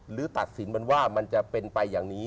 ตัดสินมันว่ามันจะเป็นไปอย่างนี้